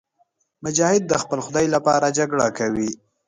مجاهد د خپل خدای لپاره جګړه کوي.